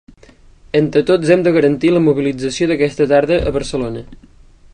Entre tots hem de garantir la mobilització d'aquesta tarda a Barcelona.